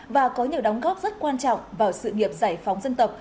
và có nhiều đóng góp rất quan trọng vào sự nghiệp giải phóng dân tộc